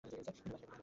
কিন্তু বাকিরা কোথায়?